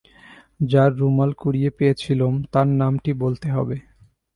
যাঁর রুমাল কুড়িয়ে পেয়েছিলুম তাঁর নামটি বলতে হবে।